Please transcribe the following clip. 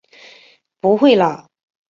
不会啦！